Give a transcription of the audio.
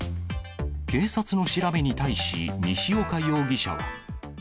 警察の調べに対し、西岡容疑者は。